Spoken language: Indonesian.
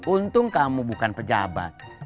untung kamu bukan pejabat